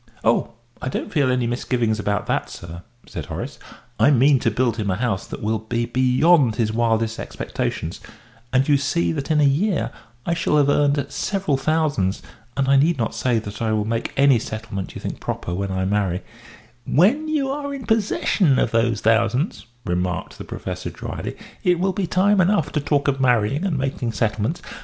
"Oh, I don't feel any misgivings about that, sir," said Horace. "I mean to build him a house that will be beyond his wildest expectations, and you see that in a year I shall have earned several thousands, and I need not say that I will make any settlement you think proper when I marry " "When you are in possession of those thousands," remarked the Professor, dryly, "it will be time enough to talk of marrying and making settlements.